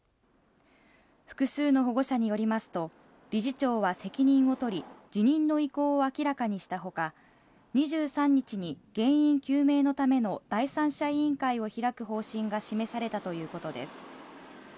複数の保護者によりますと、理事長は責任を取り、辞任の意向を明らかにしたほか、２３日に原因究明のための第三者委員会を開く方針が示されたということです。